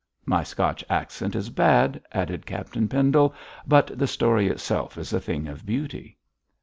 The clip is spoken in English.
My Scotch accent is bad,' added Captain Pendle, 'but the story itself is a thing of beauty.'